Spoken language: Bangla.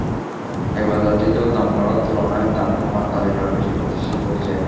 এ বাজারটিতেও দাম বাড়ার তুলনায় দাম কমার তালিকায় বেশি প্রতিষ্ঠান রয়েছে।